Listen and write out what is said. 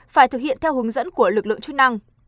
phải thực hiện theo hướng dẫn của lực lượng chức năng